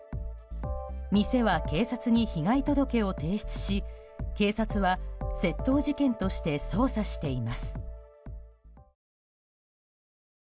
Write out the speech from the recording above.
店は警察に被害届を提出し警察は窃盗事件として捜査しています。